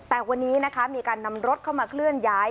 แต่วันนี้นะคะมีการนำรถเข้ามาเคลื่อนย้าย